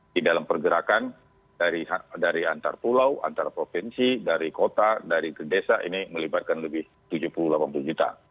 di dalam pergerakan dari antar pulau antar provinsi dari kota dari ke desa ini melibatkan lebih tujuh puluh delapan puluh juta